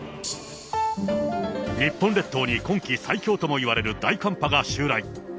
日本列島に今季最強ともいわれる大寒波が襲来。